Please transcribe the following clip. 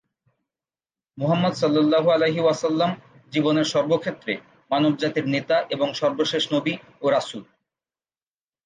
মুহাম্মাদ সাল্লাল্লাহু আলাইহি ওয়া সাল্লাম জীবনের সর্ব ক্ষেত্রে মানবজাতির নেতা এবং সর্বশেষ নবী ও রসূল।